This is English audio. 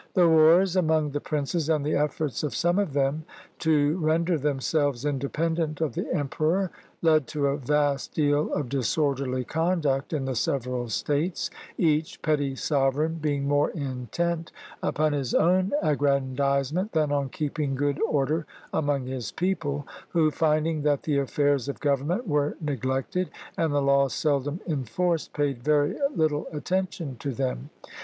The wars among the princes, and the efiforts of some of them to render themselves independent of the em peror, led to a vast deal of disorderly conduct in the several states, each petty sovereign being more intent upon his own aggrandizement than on keeping good order among his people; who, finding that the affairs of government were neglected and the laws seldom en forced, paid very little attention to them.